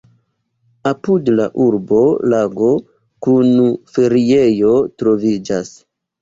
Apud la urbo lago kun feriejo troviĝas.